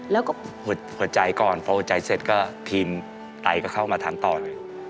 หัวใจก่อนพอหัวใจเสร็จก็ทีมไตก็เข้ามาทางตอน